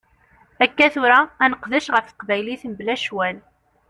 Akka tura ad neqdec ɣef teqbaylit mebla ccwal.